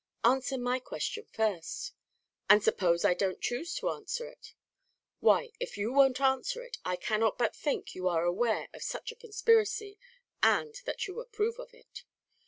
"Answer my question first." "And suppose I don't choose to answer it?" "Why, if you won't answer it, I cannot but think you are aware of such a conspiracy, and that you approve of it."